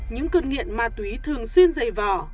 những cơn nghiện ma túy thường xuyên dày vỏ